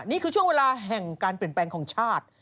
นี่คือช่วงเวลาแห่งการเปลี่ยนแปลงของชาติ